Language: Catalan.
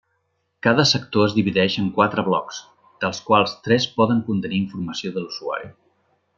Cada sector es divideix en quatre blocs, dels quals tres poden contenir informació de l'usuari.